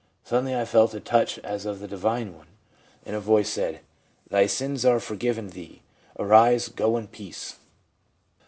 Suddenly I felt a touch as of the Divine One, and a voice said, "Thy sins are forgiven thee ; arise, go in peace."